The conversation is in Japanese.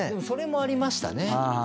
それもありましたね。